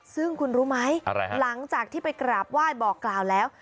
ซึ่งคุณรู้ไหมหลังจากที่ไปกราบไหว้บอกกล่าวแล้ว